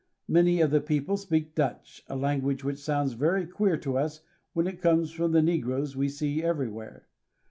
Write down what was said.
Many of the people speak Dutch, a lan guage which sounds very queer to us when it comes from the ne groes we see every where.